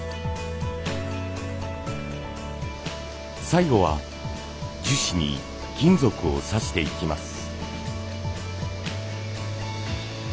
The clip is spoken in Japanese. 最後は樹脂に金属をさしていきます。